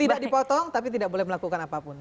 tidak dipotong tapi tidak boleh melakukan apapun